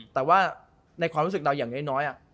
แต่ว่าในความรู้สึกเราอย่างน้อย